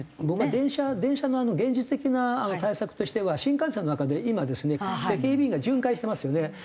僕は電車の現実的な対策としては新幹線の中で今ですね警備員が巡回してますよね。